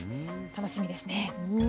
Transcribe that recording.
楽しみですね。